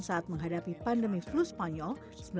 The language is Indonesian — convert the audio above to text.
saat menghadapi pandemi flu spanyol seribu sembilan ratus sembilan puluh